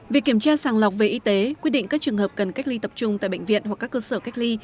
việc kiểm tra sàng lọc về y tế quy định các trường hợp cần cách ly tập trung tại bệnh viện hoặc các cơ sở cách ly